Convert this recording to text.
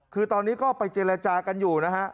คือตอนนี้ก็ไปเจรจากันอยู่นะฮะ